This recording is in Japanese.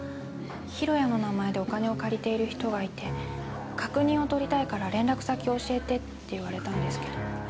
弘也の名前でお金を借りている人がいて確認を取りたいから連絡先教えてって言われたんですけど。